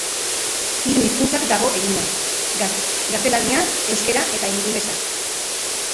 Hiru hizkuntzaz dago egina, gaztelania, euskara eta ingelesa.